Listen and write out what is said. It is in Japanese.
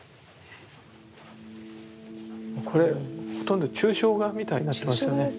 これほとんど抽象画みたいになってますよね。